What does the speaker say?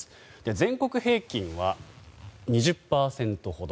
全国平均は２０％ほど。